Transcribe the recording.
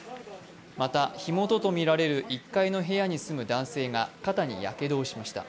また、火元とみられる１階の部屋に住む男性が肩にやけどをしました。